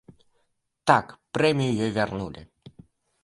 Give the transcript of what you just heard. Так, прэмію ёй вярнулі.